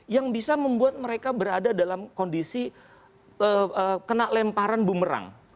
yang bisa membuat mereka berada dalam kondisi kena lemparan bumerang